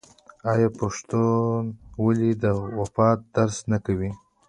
آیا پښتونولي د وفا درس نه دی؟